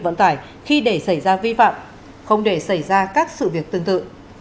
vận tải khi để xảy ra vi phạm không để xảy ra các sự việc tương tự